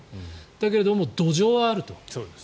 だけれど、土壌はあると。